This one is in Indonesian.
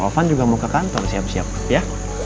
sofan juga mau ke kantor siap siap ya